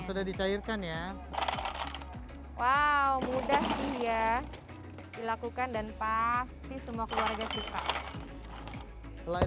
sudah dicairkan ya wow mudah sih ya dilakukan dan pasti semua keluarga suka selain